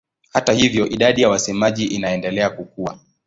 Hata hivyo idadi ya wasemaji inaendelea kukua.